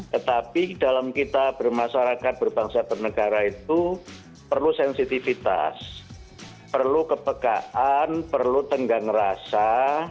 tetapi dalam kita bermasyarakat berbangsa bernegara itu perlu sensitivitas perlu kepekaan perlu tenggang rasa